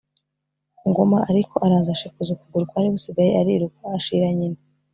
Ngoma ariko araza ashikuza ukuguru kwari gusigaye ariruka, ashyira nyina.